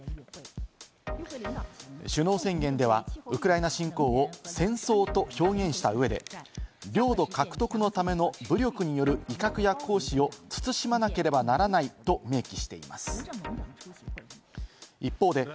首脳宣言では、ウクライナ侵攻を戦争と表現した上で、領土獲得のための武力による威嚇や行使を慎まなければならないと明記しています。